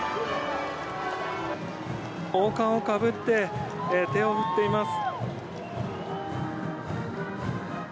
王冠をかぶって手を振っています。